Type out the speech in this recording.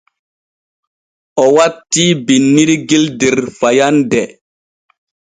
O wattii binnirgel der fayande.